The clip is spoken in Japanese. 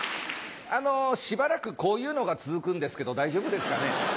あのしばらくこういうのが続くんですけど大丈夫ですかね？